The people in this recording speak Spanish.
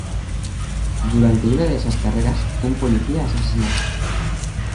Durante una de esas carreras, un policía es asesinado.